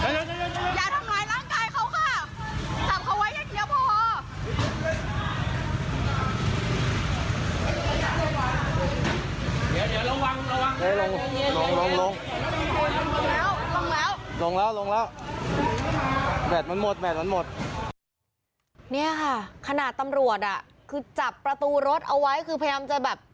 นี่ค่ะขนาดตำรวจอ่ะคือจับประตูรถเอาไว้คือพยายามจะแบบ